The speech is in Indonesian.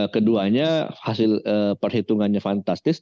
keduanya hasil perhitungannya fantastis